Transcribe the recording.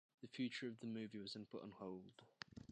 The future of the movie was then put on hold.